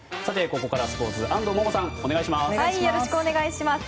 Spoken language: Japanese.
ここからスポーツ安藤萌々さん、お願いします。